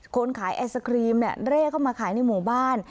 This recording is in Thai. คนขายไอศครีมเนี่ยเร่เข้ามาขายในหมู่บ้าน